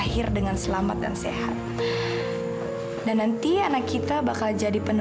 harus terima kasih sama ibu